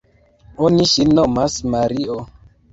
oni ŝin nomas Mario.